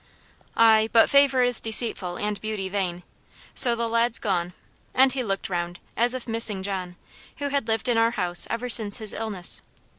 "Ay, but favour is deceitful, and beauty vain. So the lad's gone;" and he looked round, as if missing John, who had lived in our house ever since his illness.